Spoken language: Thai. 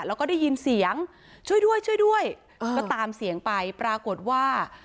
แล้วก็ได้ยินเสียงช่วยด้วยช่วยด้วยก็ตามเสียงไปปรากฏว่า